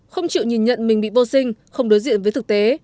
không chịu nhìn nhận mình bị vô sinh không đối diện với thực tế